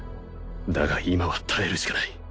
だが今は耐えるしかない。